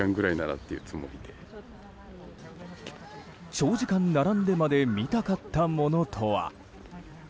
長時間並んでまで見たかったものとは。